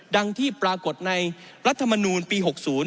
ที่ปรากฏในรัฐมนูลปี๖๐